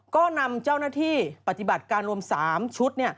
ก็นำเจ้าหน้าที่ปฏิบัติการรวม๓ชุด